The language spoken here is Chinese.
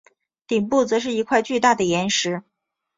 顶部则是一块巨大的岩石。